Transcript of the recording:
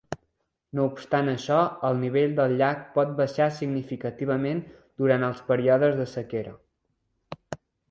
No obstant això, el nivell del llac pot baixar significativament durant els períodes de sequera.